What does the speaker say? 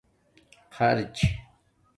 خرچ